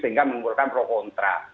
sehingga menimbulkan pro kontra